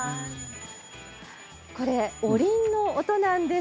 これは、おりんの音なんです。